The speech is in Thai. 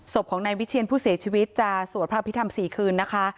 ศพของนายวิเชียนผู้เสียชีวิตจะสวดพระพิธรรม๔คืนนะคะ